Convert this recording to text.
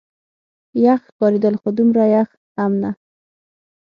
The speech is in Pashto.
یخ ښکارېدل، خو دومره یخ هم نه.